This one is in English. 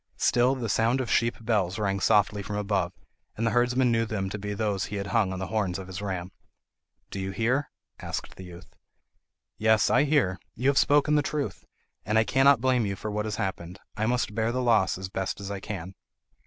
Still the sound of sheep bells rang softly from above, and the herdsman knew them to be those he had hung on the horns of his ram. "Do you hear?" asked the youth. "Yes, I hear; you have spoken the truth, and I cannot blame you for what has happened. I must bear the loss as best as I can."